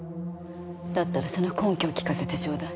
だったらその根拠を聞かせてちょうだい。